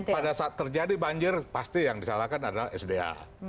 pada saat terjadi banjir pasti yang disalahkan adalah sda